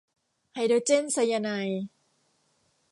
ไฮโดรเจนไซยาไนด์